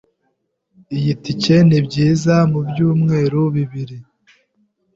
Iyi tike nibyiza mubyumweru bibiri.